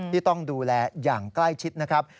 ที่ต้องดูแลอย่างใกล้ชิดนะครับ